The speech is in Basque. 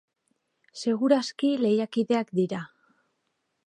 Segur aski lehiakideak dira.